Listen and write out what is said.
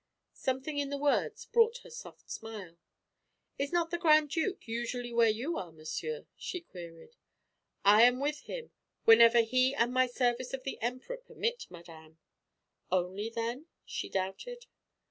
Something in the words brought her soft smile. "Is not the Grand Duke usually where you are, monsieur?" she queried. "I am with him whenever he and my service of the Emperor permit, madame." "Only then?" she doubted.